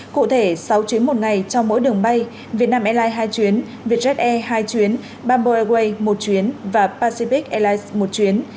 cụ thể sáu chuyến một ngày cho mỗi đường bay việt nam airlines hai chuyến vietjet air hai chuyến bamboo airways một chuyến và pacific airlines một chuyến